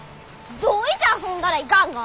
どういて遊んだらいかんが？